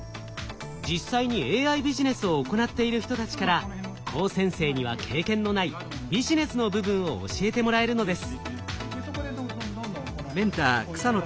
実際にＡＩビジネスを行っている人たちから高専生には経験のないビジネスの部分を教えてもらえるのです。